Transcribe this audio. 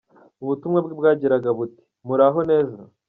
Ubutumwa bwe bwagiraga buti : Muraho neza.